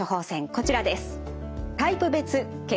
こちらです。